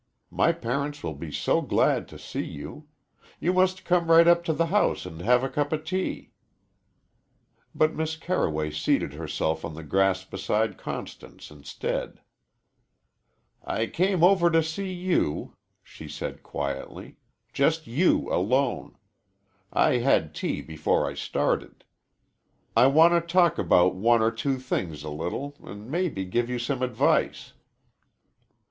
My parents will be so glad to see you. You must come right up to the house and have a cup of tea." But Miss Carroway seated herself on the grass beside Constance, instead. "I came over to see you," she said quietly, "just you alone. I had tea before I started. I want to talk about one or two things a little, an' mebbe to give you some advice."